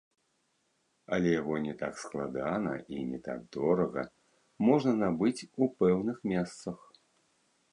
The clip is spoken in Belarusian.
Але яго не так складана і не так дорага можна набыць у пэўных месцах.